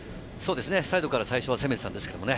サイドから最初は攻めていたんですけどね。